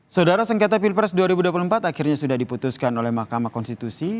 saudara sengketa pilpres dua ribu dua puluh empat akhirnya sudah diputuskan oleh mahkamah konstitusi